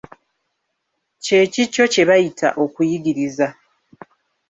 Kye kikyo kye bayita okuyigiriza.